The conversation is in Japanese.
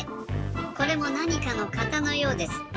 これもなにかの型のようです。